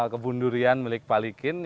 kebun durian milik banyuwangi